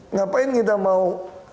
ngapain kita mau